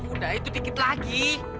udah itu dikit lagi